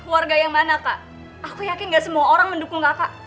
warga yang mana kak aku yakin gak semua orang mendukung kakak